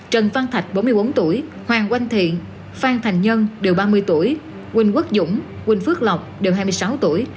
trần văn thạch bốn mươi bốn tuổi hoàng oanh thiện phan thành nhân đều ba mươi tuổi quỳnh quốc dũng quỳnh phước lộc đều hai mươi sáu tuổi